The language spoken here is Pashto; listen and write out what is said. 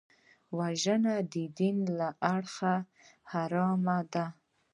وژنه د دین له اړخه حرامه ده